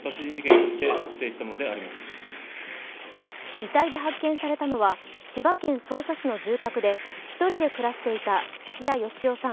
遺体で発見されたのは千葉県匝瑳市の住宅で１人で暮らしていた土屋好夫さん